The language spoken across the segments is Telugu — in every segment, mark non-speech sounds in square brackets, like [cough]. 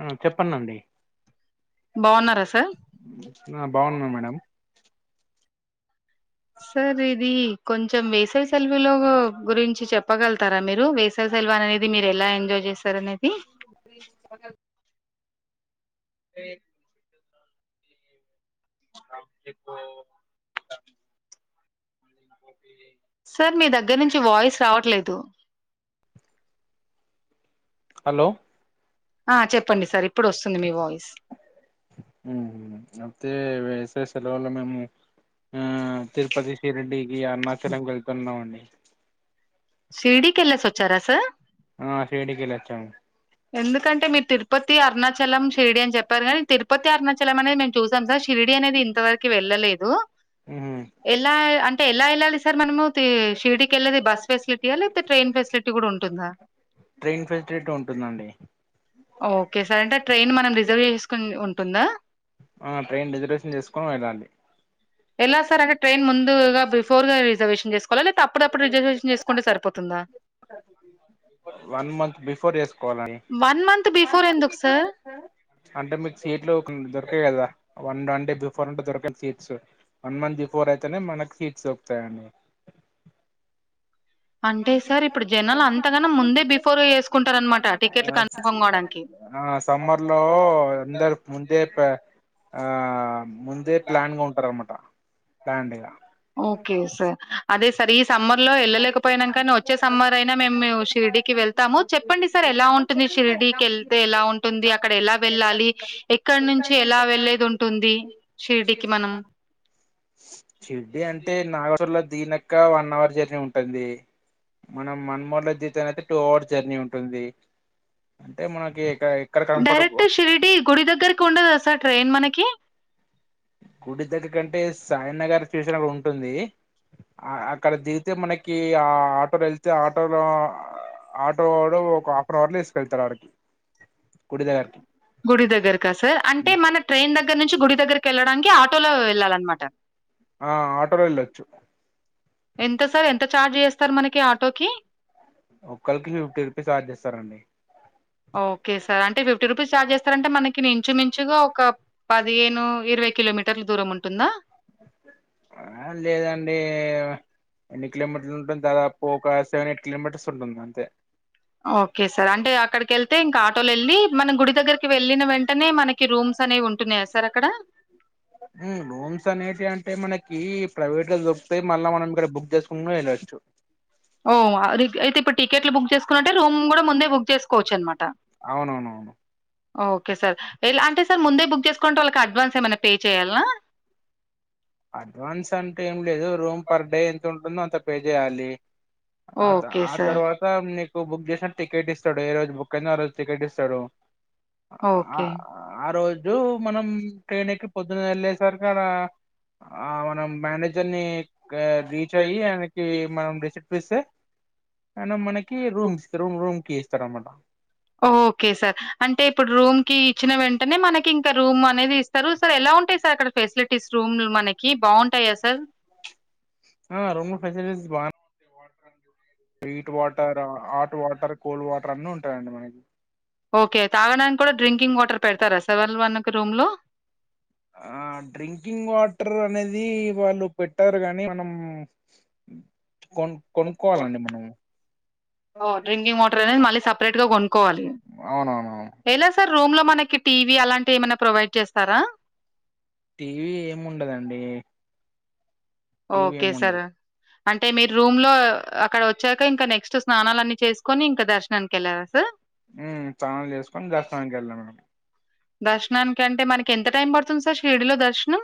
ఆ చెప్పండి అండి ఆ బాగున్నా మేడం సార్ ఇది కొంచెం వేసవి సెలవులు గురించి చెప్పగలుతారా మీరు వేసావి సెలువు అనేది మీరు ఎలా ఎంజాయ్ చేసారు అనేది మిము వేసవి సెలవల్ వేర్ ఫ్యామిలీ తో పొతాను సార్ మీ దగ్గర నుంచి వాయిస్ రావట్లేదు హలో ఆ చెప్పండి సార్ ఇప్పుడు వస్తుంది ఇగ ఉహు అయితే వేసవి సెలవులు మేము ఆ తిరుపతి శిరిడీ కీ అరుణాచలంకి వెళ్తున్నామండి ఆ శిరిడి కి వెళ్ళొచ్చం ఎందుకంటే మీరు తిరుపతి అరుణాచలం షిరిడి అని చెప్పారు కానీ తిరుపతి అరుణాచలం అనేది మేము చూసాం స షిరిడి అనేది ఇంత వరకు వెళ్ళలేదు ఎలా అంటే ఎలా వెళ్ళాలి సార్ మనము షిరిడికి ఎళ్ళేది బస్ ఫెసిలిటీయా లేపోతే ట్రైన్ ఫెసిలిటీ కూడా ఉంటుందా ట్రైన్ ఫెసిలిటీ ఉంటుందండి ఓకే సార్ అంటే ట్రైన్ మనం రిజర్వ్ చేసుకుని ఉంటుందా ఆ ట్రైన్ రిజర్వేషన్ చేసుకొని వెళ్ళండి ఎలా సార్ అది ట్రైన్ ముందు బిఫోర్గా రిర్వేషన్ చేస్ కోల లేతే అప్పుడప్పుడు రిజర్వేషన్ చేసుకుంటే సరిపోతుందా వన్ మంత్ బిఫోర సార్ అంటే మీకు సీట్లు దొరకాయి కదా వన్ అంటే బిఫోర్ అంటే దొరకదు సీట్స్ వన్ మంత్ బిఫోర్ అయితేనే మనకి సీట్స్ దొరుకుతాయండి అంటే సార్ ఇప్పుడు జనాలు అంతగాన ముందే బిఫోర్ ఎసుకుంటార అనమాట టికెట్లు కన్ఫామ్ కావడానికి ఆ సమ్మర్ లో అందరు ముందే ప ఆ ముందే ప్లాన్గా ఉంటారనమాట ప్లాన్డగ ఓకే సార్ అదే సరి సమ్మర్లో వెళ్ళలేకపోయినం కానీ వచ్చే సమ్మర్ అయినా మేము షిర్డికి వెళ్తాము చెప్పండి సార్ ఎలా ఉంటుంది షిర్డికి వెళ్తే ఎలా ఉంటుంది అక్కడ ఎలా వెళ్ళాలి ఎక్కడ నుంచి ఎలా వెళ్లేది ఉంటుంది షిర్డికి మనం షి ర్డీ అంటే నాగర్‌సోల్లో దిగినక్క వన్ అవర్ జర్నీ ఉంటుంది మనం మన్మార్లులో జనయితే టూ అవర్ జర్నీ ఉంటుంది డైరెక్ట్ షిరిడ్డి గుడి దగ్గరకి ఉండదా సార్ ట్రైన్ మనకి గుడి దగ్గర కంటే సాయినగర్ స్టేషన్ అని ఉంటుంది ఆ అక్కడ దిగితే మనకి ఆ ఆటోలు ఎళ్తే ఆటోలో ఆటోవోడు ఒక హాఫ్అన్ అవర్ లో తీసుకెళ్తాడు ఆడికి గుడి దగ్గరికి గుడి దగ్గర్న సార్ అంటే మనకు ట్రైన్ దగ్గర నుంచి గుడి దగ్గరకి వెళ్ళడానికి ఆటోలోకి వెళ్ళాలన్నమాట ఆ ఆటోలో వెళ్ళొచ్చు ఎంత ఒకరికి ఫిఫ్టీ రూపీస్ జార్జ్ చేస్తారండి ఓకే సార్ అంటే ఫిఫ్టీ రూపీస్ చార్జ్ చేస్తారంటే మనకి నించు మించుగా ఒక పదిహేను ఇరవైకి కిలోమీటర్ల దూరం ఉంటుందా ఆ లేదండి ఎన్ని కిలోమీటర్లు ఉంటుంది దాదాపు ఒక సెవెన్ ఎయిట్ కిలోమీటర్స్ ఉంటుంది అంతే ఓకే సార్ అంటే అక్కడికి ఎళ్తే ఇంకా ఆటోలో వెళ్ళి మన గుడి దగ్గరకి వెళ్ళిన వెంటనే మనకి రూమ్ అనేవి ఉంటున్నాయా సార్ అక్కడ రూమ్స్ అనేటి అంటే మన కీ ప్రైవేట్లో దొరుకుతయ్ మళ్ళా మనం ఇక్కడ బుక్ చేసుకుని వెళ్ళొచ్చు ఓ అరికి అయితే ఇప్పుడు టికెట్లు బుక్ జేసుకున్నంటే రూమ్ కూడా ముందే బుక్ చేసుకోవచ్చు అనమాట అవునవును ఓకే సార్ ఎలా అంటే సార్ ముందే బుక్ చేసుకుంటే వాళ్ళకి అడ్వాన్స్ ఏమైనా పే చేయాలా అడ్వాన్స్ అంటే ఏం లేదు రూమ్ పెర్ డే ఎంత ఉంటుందో అంత పే చేయాలి ఆ త ఆ తర్వాత నీకు బుక్ చేసినా టికెట్ ఇస్తాడు ఏ రోజు బుక్ అయిన ఆ రోజు టికెట్ ఇస్తాడు ఆ ఆ రోజు మనం ట్రైన్ ఎక్కి పొద్దున్న ఎళ్ళేసరి ఆడ ఆ మనం మేనేజర్ ని రీచ్ చెయి ఆయనకి మనం రెసర్పిస్తే అ మనకి రూమ్ ఇస్త రమ్ రూమ్కి కి ఇస్తారు అనమాట ఓకే సార్ అంటే ఇప్పుడు రూమ్ కి ఇచ్చిన వెంటనే మనకి ఇంకా రూమ్ అనేది ఇస్తారు సార్ ఎలా బాగుంటాయి సార్ అక్కడ ఫెసిలిటీస్ రూమ్లు మనకి బాగుంటాయా సార్ ఆ రూమ్ ఫెసిలిటీస్ బాగాన్నా heat water hot water cold water అన్ని ఉంటాయంండి మనకి ఓకే తాగడానికి కూడా డ్రింకింగ్ వాటర్ పెడతారా సెవెన్ వన్ క రూమ్ లో ఆ డ్రింకింగ్ వాటర్ అనేది వాళ్ళు పెట్టారు గాని మనం కొ కొన్కోల అండి మ అవునూఆవును ఇ అలాంటివి ఏమైనా ప్రొవైడ్ చేస్తారా టీవీ ఏం ఉండదండి ఓకే సార్ అంటే మీరు రూమ్ లో అక్కడ వచ్చాక ఇంకా నెక్స్ట్ స్నానాలన్నీ చేసుకొని ఇంకా దర్శనానికి వెళ్ళారా సార్ దర్శనానికింటే మనకి ఎంత టైం పడుతుంది సార్ షిరిడిలో దర్శనం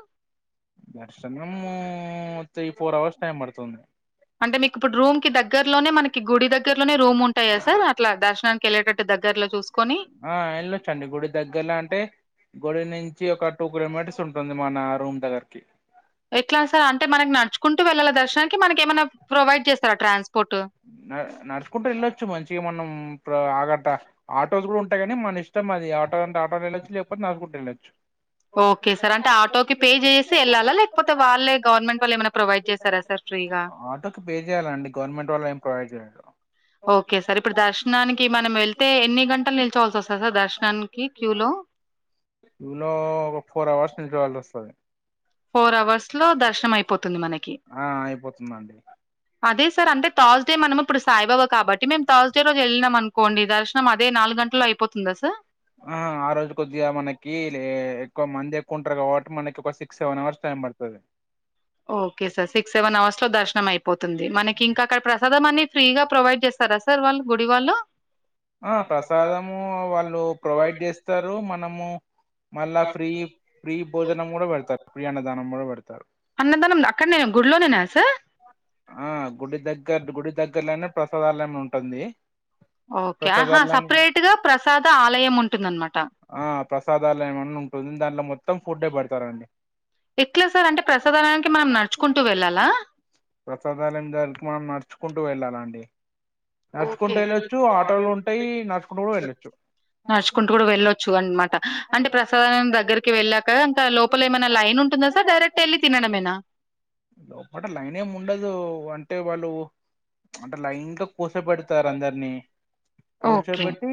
దర్శనము ము తిఫోర్ అవర్స్ టై పడుతుంది గుడి దగ్గరలోనే రూమ్ ఉంటాయా సార్ అట్లా దర్శనానికి వెళ్ళేటట్టు దగ్గరలో చూసుకొని ఆ వెళ్లుచు అండి గుడి దగ్గరలో అంటే గుడి నుంచి ఒక టూ కిలోమీటర్స్ ఉంటు మన రూమ్ తగరకి ఎట్లా సార్ అంటే మనకి నడుచుకుంటూ వెళ్లాల దర్శనానికి మనకి ఏమైనా ప్రొవైడ్ చేస్తారా ట్రాన్స్పోర్ట్ న నడుచుకుంటే వెళ్ళొచ్చు మంచిగా మనం ఆగట్ట ఆటోస్ కూడా ఉంటాయి కాని మన ఇష్టం అది ఆటో అంటే ఆటోని వెళ్ళొచ్చు లేకపోతే నాగు వెళ్ళొచ్చు ఓకే సార్ అంటే ఆసకి పే చేసి వెళ్ళాలా లేకపోతే వాళ్ళు గవర్నమెంట్ ప్రొవైడ్ చేస్తారా ఆటోకి పే చేయ్యాలండి గవర్నమెంట్ వాళ్ళ ఏం ప్రొవైడ్ చేయరు ఓకే సార్ ఇప్పుడు దర్శనానికి మనం వెళ్తే ఎన్ని గంటలు నిల్చోవలసి వస్తుంది సార్ దర్శనానికి క్యూ లో క్యూలో ఒక ఫోర్ అవర్స్ నుంచి వాళ్ళు వస్తుంది ఫొర్ ఇ ఈ స్ఆ అయిపోతుందండి అదే సార్ అంటే తాజ అయితే మనం ఇప్పుడు సాయిబాబుబటి మేము థర్స్ డే రోజు వెళ్ళినం అనుకోం దశనం అదే నాలుగు గంటలో అయిపోతుందా సార్ ఆ ఆ రోజు కొద్దిగా మనకి లే ఒక మంది ఎక్కుంటారుగా వాటి మనకి ఒక సిక్స్ సెవెన్ అవర్స్ టైమ్ పడుతుది okay sir six seven hours లో దర్శనం అయిపోతుంది మనకి ఇంకా అక్కడ ప్ర చదామనీ ఫ్రీగా ప్రొవైడ్ చేస్తారా సార్ వాళ్ళు గుడి వాళ్ళు ఆ ప్రసాదము వాళ్ళు ప్రొవైడ్ చేస్తారు మనము మళ్ళా ఫ్రీ ఫ్రీ భోజనం కూడా పెడతారు ప్రియా అన్నదానం కూడా పెడతారు అన్నదానం అక్కడ నేను గుడిలోనేనా సార్ ఆ గుడి దగ్గర గుడి దగ్గరలోనే ప్రసాదాలనే ఉంటుంది ఓకేహా సపరేట్ గా ప్రసాద ఆలయం ఉంటుందనమాట ఆ ప్రసాదాలు ఏమన్నా ఉంటుంది దాంట్లో మొత్తం ఫుడ్ే పడతారండి ఎట్లా సార్ అంటే ప్రసాదనానికి మనం నడుచుకుంటూ వెళ్ళాలా ప్రసాదాలయం గారికి మనం నడుచుకుంటూ వెళ్ళాలండి నడుచుకుంటూ వెళ్ళొచ్చు ఆటోలు ఉంటాయి నడుచుకుంటూ కూడా వెళ్ళచ్చు నడుచుకుంటూ కూడా వెళ్ళొచ్చు అనమాట అంటే ప్రసాదా దగ్గరికి వెళ్ళాక ఇంకా లోపల ఏమైనా లైన్ ఉంటుందా సార్ డైరెట్ వెళ్లి తినడమేనా లోపట లైన్ ఏమి ఉండదు అంటే వాళ్ళు అంటే లైన్ లో కూస పెడతారు అందరినీ కూర్చోబెట్టి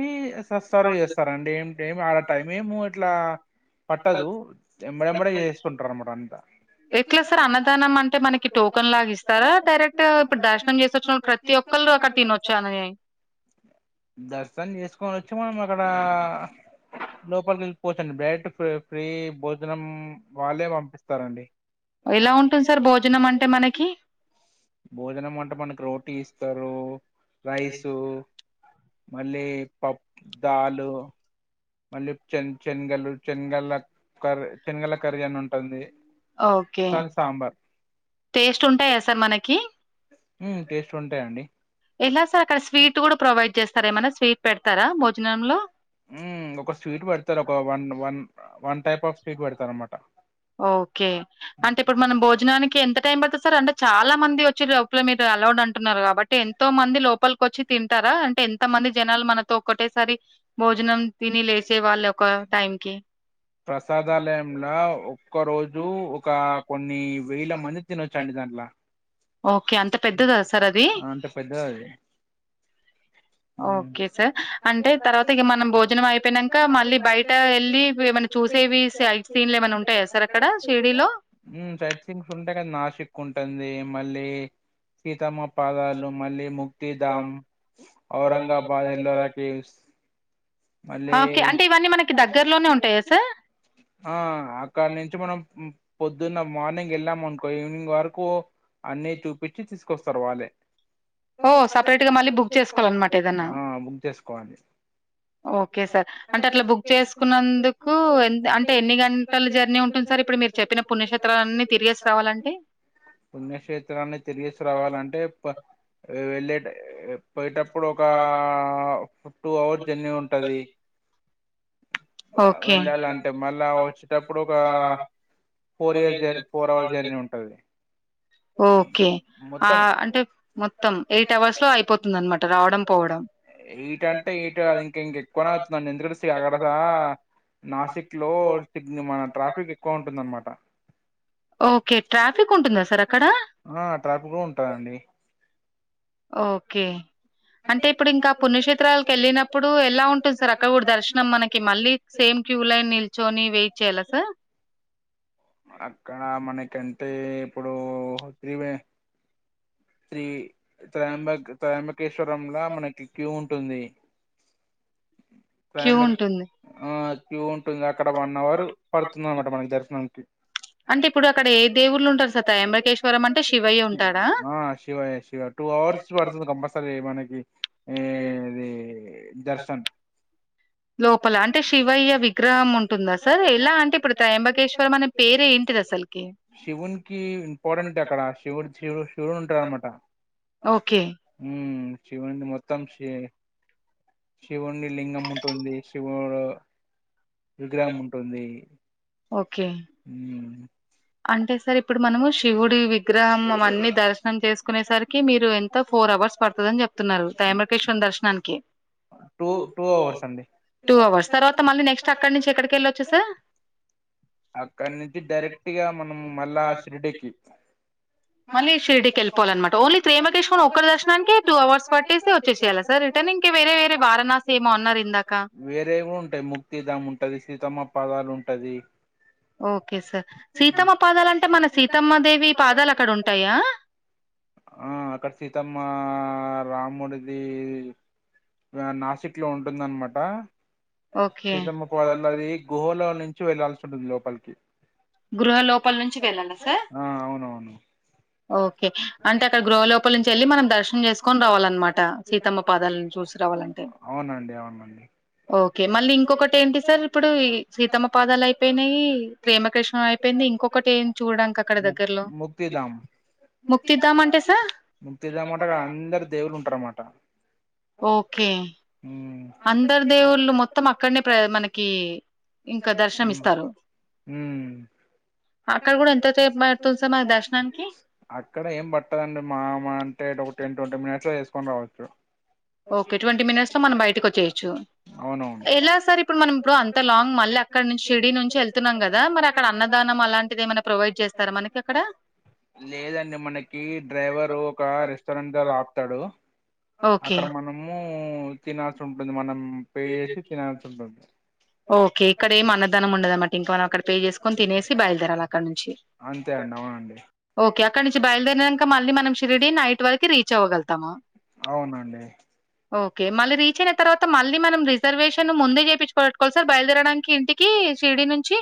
ససర్వ్ చేస్తారండి ఏ ఆడ టైం ఏమ ఇట్లా పట్టదు ఎంబడెంమడే చేస్తుంటారు అన్నమాట అంతా ఎట్లా సార్ అన్నదానం అంటే మనకి టోకన్ లాగా ఇస్తారా డైరెక్ట్ ఇప్పుడు ద దర్శనం చేసిన ప్రతి ఒక్కళ్లు అక్కడ తినొచ్చా దర్శనం చేసుకొని వచ్చి మనం అక్కడ లోపలి పోచండి డైరెక్ట్ ఫ్రీ భోజనం వాళ్ళే పంపిస్తారండి ఎలా ఉంటుందండి సార్ అక్కడ భోజనం మనకి భోజనం మ రోటీ ఇస్తారు రైస్ మళ్ళీ పప్పు దాలు మళ్ళీ చెనగలు చెనగల కర చెనగల కర్రీ అని ఉంటుంది ఓకే టేస్ట్ ఉంటాయా సార్ మనకి హ్మ్ టేస్ట్ ఉంటాయండి ఎలా సార్ అక్కడ స్వీట్ కూడా ప్రొవైడ్ చేస్తారా ఏమన్నా స్వీట్ పెడతారా భోజనంలో ఒక స్వీట్ పెడతారు ఒక one one one type of sweet పెడతారు అనమాట ఓకే అంటే ఇప్పుడు మనం భోజనానికి ఎంత టైం పడుతుంది సార్ అంటే చాలా మంది వచ్చారు రప్ఒక్కళ్ల మీద అలౌడ్ అంటున్నారు కాబట్టి ఎంతో మంది లోపలికి వచ్చి తింటారా అంటే ఎంత మంది జనాలు మనతో ఒక్కటేసారి భోజనం తిని లేసే వాళ్ళ ఒక టైంకి ఒక్క రోజు ఒక కొన్ని వేల మంది తినచ్చండి దాంట్లో అంత పెద్దదది ఓకే సార్ అంటే తర్వాత ఇక మనం భోజనం అయిపో అపోయినాక మళ్ళీ బయట వెళ్ళి ఏమైనా చూసేవి సై సీన్లు ఏమైన్నా ఉంటాయా సార్ అక్కడ షిర్డీ లో చైత్ సింగ్స్ ఉంటా కదా నాసిక్ ఉంటుంది మళ్ళీ సీతామ పాదాలు మళ్ళీ ముక్తిధామ్ ఔరంగాబాద్ ఎల్లకి ఓకే అంటే ఇవన్నీ మనకి దగ్గరలోనే ఉంటాయా సార్ ఆ అక్కడ నుంచి మనం పొద్దున్న మార్నింగ్ వెళ్ళాం అనుకో ఈవినింగ్ వరకు అన్నీ చూపుచ్చి తీసుకొస్తారు వాళ్ళే ఆ బుక్ చేసుకోవాలి ఓకే సార్ అంటే అట్లా బుక్ చేసుకున్నందుకు ఎ అంటే ఎన్ని గంటల జర్నీ ఉంటుంది సార్ ఇప్పుడు మీరు చెరు చెప్పిన పుణ్యక్షేత్రాలన్ని తిరిగేసి రావాలంటే చిత్రాన్ని తిరిగిసి రావాలంటే వెళ్ళే పోయేటప్పుడు ఒక టూ అవర్స్ జర్నీ ఉంటది బా వెళ్ళాలంటే మళ్ళా వచ్చేటప్పుడు ఒక ఫోర్ ఇయర్స్ జ ఫోర్ అవర్స్ జర్నీ ఉంటుంది ఓకే ఆ అంటే మొత్తం ఎయిట్ అవర్స్ లో అయిపోతుంది అనమాట రావడం పోవడం ఎయిట్ అంటే ఎయిట్ కాదు ఇంక ఇంక ఎక్కువనే అవుతుందండి ఎందుకంటే నాసిక్ లో సిగ మన ట్రాఫిక్ ఎక్కువ ఉంటుందన్నమాట ఆ ట్రాఫిక్ కూడా ఉంటాదండి ఓకే అంటే ఇప్పుడు ఇంకా పుణ్యక్షేత్రాలకు వెళ్ళినప్పుడు ఎలా ఉంటుంది సార్ అక్కడ కూడా దర్శనం మనకి మళ్ళీ సే క్యూ లైన్ నిల్చొని వెయిట్ చేయాల సార్ ఆక్క డా మనకి కంటే ఇప్పుడు త్రీ త్రీ త్రయాంబక తయాంబకేశ్వరంలా మనకి క్యూ ఉంటుంది టైం పెట్టి ఆ ఆక్కడ క్యూ ఉంటుంది. అక్కడ వన్ అవర్ పడుతుంది. అనమాట మనకి దర్శనానికి అంటే ఇప్పుడు అక్కడ ఏ దేవుళ్ళు ఉంటారు సర్ త్రయంబకేశ్వరం అంటే శివయ్య ఉంటాడా [unintelligible] పడుతది కంపల్సరీ మనకి ఏ [unintelligible] లోపల అంటే శివయ్య విగ్రహం ఉంటుందా సార్ ఎలా అంటే ఇప్పుడు తయంబకేశ్వరం అనే పేరే శివునికి ఇంపార్టెంట్ అక్కడ శివుడు శివుడు శివుడు ఉంటాడు అనమాట ఓకే శివున్ని మొత్తం శి శివున్నీ లింగం ఉంటుంది శివుడు విగ్రహం ఉంటుంది హ్ అంటే సార్ ఇప్పుడు మనము శివుడి విగ్రహం ఆ అవన్ని దర్శనం చేసుకునేసరికి మీరు ఎంతో ఫోర్ అవర్ పడుతదని చెప్తున్నారు త్రయంబకేశ్వరం దర్శనానికి తర్వాత మళ్ళీ నెక్స్ట్ అక్కడ నుంచి ఎక్కడికీ వెళ్ళొచ్చు సార్ అక్కడ నుంచి డైరెక్ట్ గా మనం మళ్ళా శిర్డికి మళ్ళ షిర్డికేళ్ళపోలన్నమాట ఓన్లీ త్రయంబకేశ్వరం ఒక్క దర్శనానికి టూ అవర్స్ పట్టేసి వచ్చేయాల సార్ రిటర్నింగ్ వేరే కూడా ఉంటాయి ముక్తి దాము ఉంటది సితమ్మ పదాలు ఉంటది ఓకే సార్ సీతమ్మ పాదాలాంటే మన సీతమ్మ దేవి పాదాలు అక్కడ ఉంటాయా ఆ అక్కడ సీతమ్మా ఆ రాముడిది నాసిక్ లో ఉంటుంది అన్నమాట సీతమ్మ పాదలు అది గుహలో నుంచి వెళ్ళలాల్సి ఉంటుంది లోపలికి గృహలో ఆ అవునవును ఓకే అంటే అక్కడ గృహలోపల నుంచి వెళ్ళి మనం దర్శనం చేసుకొని రావాలన్నమాట సీతమ్మ పాదాల నుంచి చూసిరావాలంటే అవునండి అవునండి ఓకే మళ్ళీ ఇంకొకటి ఏంటి సార్ ఇప్పుడు సీతమ్మ పాదాలు అయిపోయినాయి త్రయంబకేశ్వరం అయిపోయింది ఇంకొక క్కటేం చూడడానికి అక్కడ దగ్గర్లో ముక్తిధామంటె అక్కడ అందరు దేవుళ్ళు ఉంటారు అన్నమాట హ్ అందరు దేవుళ్ళు మొత్తం అక్కడనే ప్ర మనకి ఇంకా దర్శనం ఇస్తారు హ్ అక్కడ ఏం పట్టదండి మా మా అంటే ఒక టెన్ ట్వంటీ మినిట్స్ లో చేసుకొని రావచ్చు ఓకే ట్వంటీ మినిట్స్ లో మనం బయటకి వచ్చేయచ్చు ఎలా సార్ ఇప్పుడు మనం ఇప్పుడు అంత లాంగ్ మళ్ళీ అక్కడి నుంచి షిరిడీ నుంచి వెళ్తున్నాం. కదా మరి అక్కడ అన్నదానం అలాంటిది ఏమైనా ప్రొవైడ్ చేస్తారా మనకి అక్కడ లేదండి మనకి డ్రైవరు ఒక రెస్టారెంట్ దగ్గర ఆపుతాడు అక్కడ మనము తినాల్సి ఉంటుంది మనం పే చేసి తినాల్సి ఉంటుంది. ఓకే ఇక్కడ ఏం అన్నదానం ఉండదన్నమాట ఇంక మనం అక్కడ పే చేసుకుని తినేసి బయలుదేరాల అక్కడ నుంచి ఓకే అక్కడ నుంచి బయలుదేరినాంక మళ్ళీ మనం షిరిడి నైట్ వరకు రీచ్ అవ్వగలతామ అవునండి ఓకే మళ్ళీ రీచ్ అయిన తర్వాత మ ళ్ళి మనం రిజర్వేషన్ ముందే చేపిచ్చుకోని పెట్ట్కోవాలా సార్ బయలుదేరడానికి ఇంటికి షిరిడి నుంచి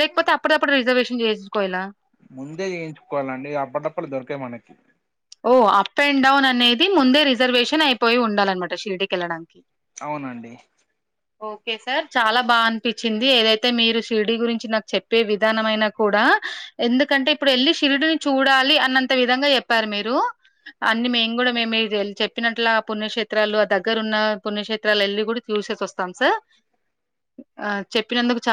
లేకపోతే అప్పట్ద ముందే చేయించుకోవాలండి అప్పడిదప్పుడే దొరికాయి మనకి ఓ అప్ అండ్ డౌన్ అనేది ముందే రిజర్వేషన్ అయిపోయి ఉండాలన్నమాట షిర్డికి ఎళ్ళడానికి అవునండి ఓకే సార్ చాలా బాగా అనిపిచింది ఏదైతే మీరు శిరిడి గురించి నాకు చె ప్పే విధానంమయినా కూడా ఎందుకంటే ఇప్పుడెళ్లి శిరుడిని చూడాలి అన్నంత విధంగా చెప్పారు మీ రు అన్ని మేము కూడా మేము చెప్పినట్ల పుణ్యక్షేత్రాలు ఆ దగ్గర ఉన్న పుణ్యక్షేత్రాలు ఎళ్లి కూడా చూ చూసేసి వస్తాం సార్ ఆ చెప్పినందుకు చా